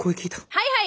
はいはい。